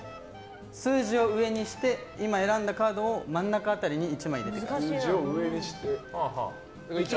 数字を上にして今選んだカードを真ん中辺りに１枚入れてください。